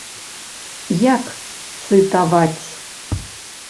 Як цытаваць?